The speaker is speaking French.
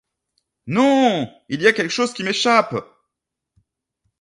Non! il y a quelque chose qui m’échappe !